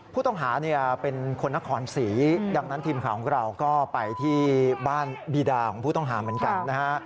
ผู้ต้องหาเนี่ยเป็นคนนครศรีดังนั้นทีมข่าวของเราก็ไปที่บ้านบีดาของผู้ต้องหาเหมือนกันนะฮะ